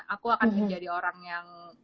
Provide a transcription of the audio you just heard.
aku akan menjadi orang yang